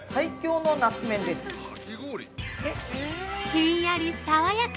ひんやり爽やか！